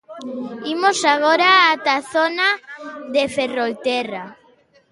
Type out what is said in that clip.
Imos agora ata a zona de Ferrolterra.